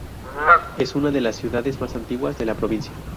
Es una de las ciudades más antiguas de la provincia.